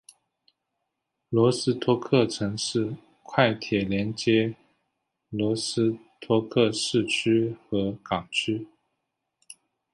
罗斯托克城市快铁连接罗斯托克市区和港区。